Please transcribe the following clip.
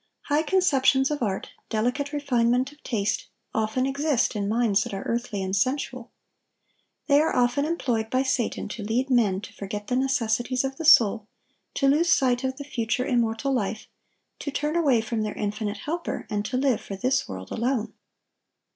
High conceptions of art, delicate refinement of taste, often exist in minds that are earthly and sensual. They are often employed by Satan to lead men to forget the necessities of the soul, to lose sight of the future, immortal life, to turn away from their infinite Helper, and to live for this world alone.